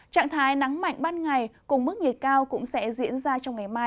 trạng thái nắng mạnh ban ngày cùng mức nhiệt cao cũng sẽ diễn ra trong ngày mai